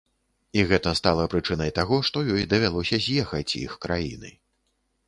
І гэта стала прычынай таго, што ёй давялося з'ехаць іх краіны.